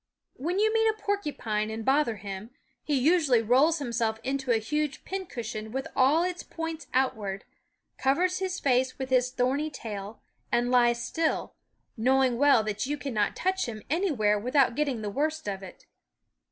When you meet a porcupine and bother him, he usually rolls himself into a huge pincushion with all its points outward, covers his face with his thorny tail, and lies still, knowing well that you cannot touch him anywhere without getting the worst of it.